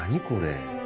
これ。